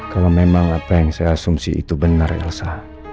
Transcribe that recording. kalau memang apa yang saya asumsi itu benar elsa